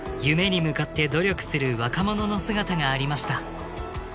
夢に向かって努力する若者の姿がありました